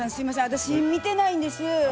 私見てないんです。